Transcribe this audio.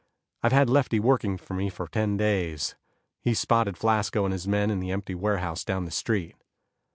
I've had Lefty working for me for ten days. He's spotted Flasco and his men in the empty warehouse down the street."